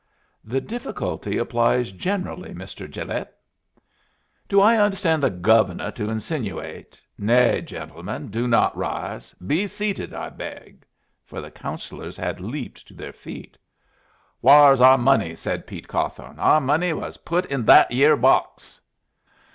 "The difficulty applies generally, Mr. Gilet." "Do I understand the Gove'nuh to insinuate nay, gentlemen, do not rise! Be seated, I beg." For the Councillors had leaped to their feet. "Whar's our money?" said Pete Cawthon. "Our money was put in thet yere box."